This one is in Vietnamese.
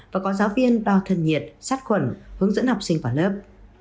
và có giáo viên đo thân nhiệt sát khuẩn hướng dẫn học sinh vào lớp